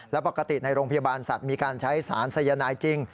แล้วปกติในโรงพยาบาลสัตว์มีการใช้สารสายนายจริง